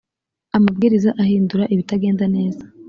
amabwiriza ahindura ibitagenda neza.